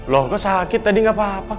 loh kok sakit tadi gak apa apa